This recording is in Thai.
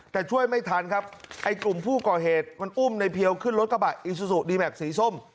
แต่ช่วยไม่ทันครับไอ้กลุ่มผู้ก่อเหตุมันอุ้มในเพียวขึ้นรถกระบะอีซูซูดีแม็กซีส้ม